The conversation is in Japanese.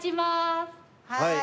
はい。